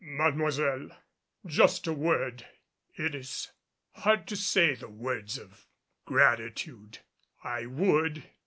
"Mademoiselle, just a word. It is hard to say the words of gratitude I would.